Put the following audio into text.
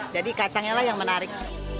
jadi kacangnya lah yang menarik